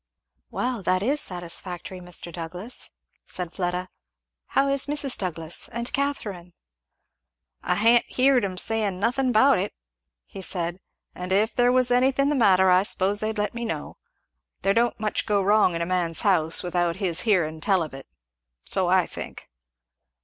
"Well that is satisfactory, Mr. Douglass," said Fleda. "How is Mrs. Douglass? and Catherine?" "I ha'n't heerd 'em sayin' nothin' about it," he said, "and if there was anythin' the matter I suppose they'd let me know. There don't much go wrong in a man's house without his hearin' tell of it. So I think.